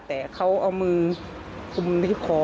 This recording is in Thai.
แล้วเขาก็